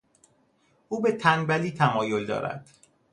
او به تنبلی تمایل دارد.